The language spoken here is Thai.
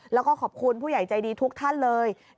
แล้วก็ขอบคุณผู้ใหญ่ใจดีทุกท่านเลย